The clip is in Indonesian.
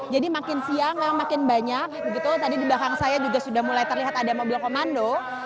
jadi makin siang memang makin banyak tadi di belakang saya juga sudah mulai terlihat ada mobil komando